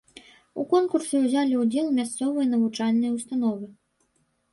У конкурсе ўзялі удзел мясцовыя навучальныя ўстановы.